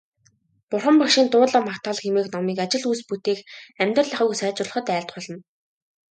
Бурхан Багшийн дуудлага магтаал хэмээх номыг ажил үйлс бүтээх, амьдрал ахуйг сайжруулахад айлтгуулна.